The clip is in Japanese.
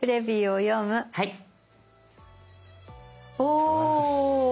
お！